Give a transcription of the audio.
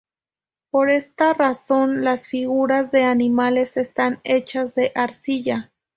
Por esta razón, las figuras de animales están hechas de arcilla.